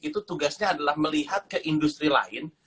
itu tugasnya adalah melihat ke industri lain